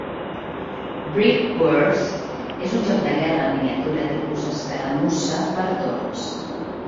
"BrikWars" és un joc de guerra en miniatura tipus escaramussa per torns.